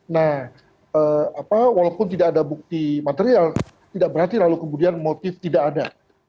nah walaupun tidak ada bukti material tidak berarti lalu kemudian motif tidak ada